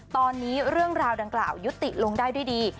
ตอนนี้เรื่องราวดังกล่าวยุติลงได้ด้วยดี